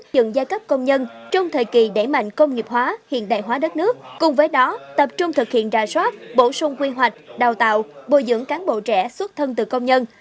dựng giai cấp công nhân trong thời kỳ đẩy mạnh công nghiệp hóa hiện đại hóa đất nước cùng với đó tập trung thực hiện ra soát bổ sung quy hoạch đào tạo bồi dưỡng cán bộ trẻ xuất thân từ công nhân